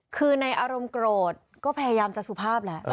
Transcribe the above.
คือในอารมณ์โกรธก็พยายามจะสุภาพแหละ